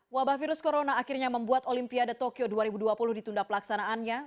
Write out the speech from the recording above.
wabah virus corona akhirnya membuat olimpiade tokyo dua ribu dua puluh ditunda pelaksanaannya